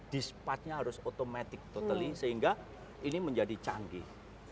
this part nya harus automatic totally sehingga ini menjadi canggih